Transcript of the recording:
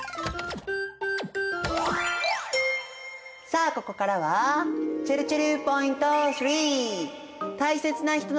さあここからはちぇるちぇるポイント３！